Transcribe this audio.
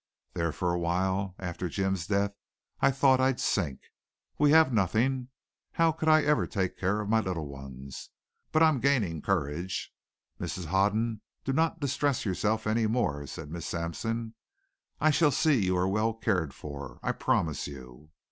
There for a while after Jim's death I thought I'd sink. We have nothing. How could I ever take care of my little ones? But I'm gaining courage." "Mrs. Hoden, do not distress yourself any more," said Miss Sampson. "I shall see you are well cared for. I promise you."